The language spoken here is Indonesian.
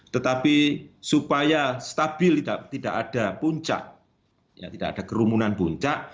tetapi supaya stabil tidak ada puncak tidak ada kerumunan puncak